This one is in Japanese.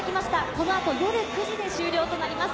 このあと夜９時で終了となります。